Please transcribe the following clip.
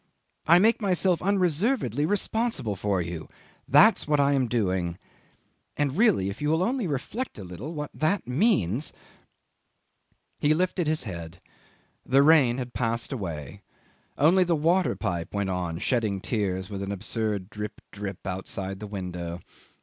I make myself unreservedly responsible for you. That's what I am doing. And really if you will only reflect a little what that means ..." 'He lifted his head. The rain had passed away; only the water pipe went on shedding tears with an absurd drip, drip outside the window.